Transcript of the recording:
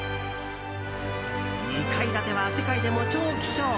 ２階建ては世界でも超希少。